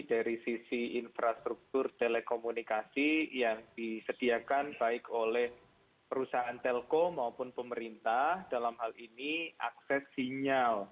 dari sisi infrastruktur telekomunikasi yang disediakan baik oleh perusahaan telkom maupun pemerintah dalam hal ini akses sinyal